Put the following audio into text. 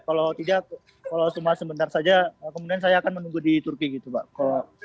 kalau tidak kalau cuma sebentar saja kemudian saya akan menunggu di turki gitu pak